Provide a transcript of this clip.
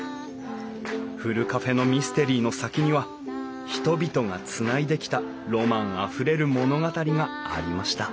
ふるカフェのミステリーの先には人々がつないできたロマンあふれる物語がありました